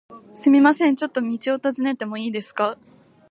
すみません、ちょっと道を尋ねてもいいですか？